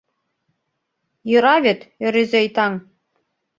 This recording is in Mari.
Йӧра вет, Ӧрӧзӧй таҥ.